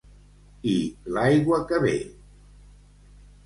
I l'aigua que ve!